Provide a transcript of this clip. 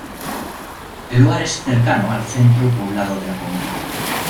El lugar es cercano al centro poblado de la comuna.